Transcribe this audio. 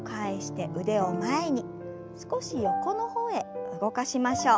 少し横の方へ動かしましょう。